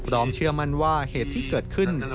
เชื่อมั่นว่าเหตุที่เกิดขึ้น